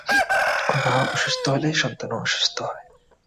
মা অসুস্থ হলে, সন্তানও অসুস্থ হয়।